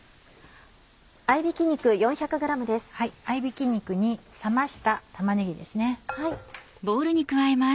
合びき肉に冷ました玉ねぎですね。